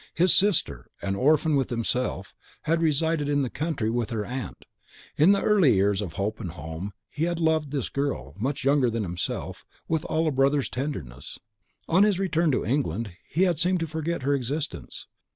His sister, an orphan with himself, had resided in the country with her aunt. In the early years of hope and home he had loved this girl, much younger than himself, with all a brother's tenderness. On his return to England, he had seemed to forget her existence.